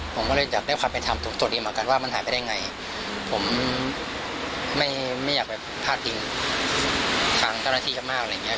ผมก็เลยอยากได้ความเป็นธรรมส่วนดีเหมือนกันว่ามันหายไปได้ไงผมไม่ไม่อยากไปพาดพิงทางเจ้าหน้าที่เขามากอะไรอย่างเงี้